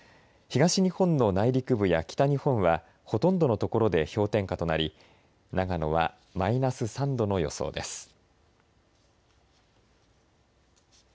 東日本の内陸部や北日本はほとんどの所で氷点下となり長野はマイナス３度の予想です。